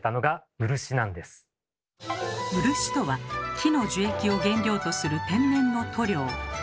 漆とは木の樹液を原料とする天然の塗料。